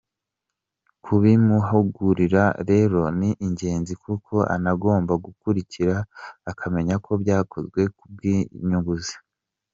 Kubimuhugurira rero ni ingenzi kuko anagomba gukurikira akamenya ko byakozwe ku bw’inyungu ze”.